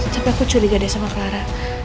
tapi aku curiga deh sama clara